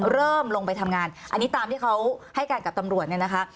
เริ่มลงไปทำงานอันนี้ตามที่เขาให้การกับตำรวจเนี่ยนะคะ